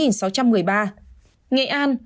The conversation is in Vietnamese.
bình dương ba trăm tám mươi ba bốn trăm bảy mươi tám